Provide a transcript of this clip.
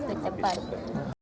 proses cepat waktu cepat